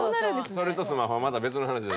それとスマホはまた別の話で。